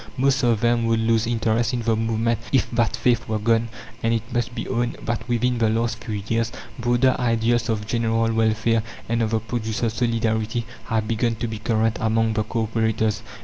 Most of them would lose interest in the movement if that faith were gone; and it must be owned that within the last few years broader ideals of general welfare and of the producers' solidarity have begun to be current among the co operators.